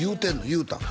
言うたん？